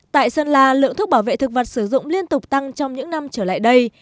tại sơn la lượng thuốc bảo vệ thực vật sử dụng liên tục tăng trong những năm trở lại đây